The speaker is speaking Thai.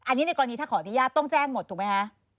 อันนี้ในกรณีถ้าขออนุญาตต้องแจ้งหมดถูกไหมคะ